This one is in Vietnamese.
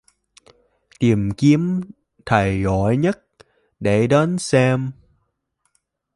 Tìm kiếm thầy giỏi nhất để đến xem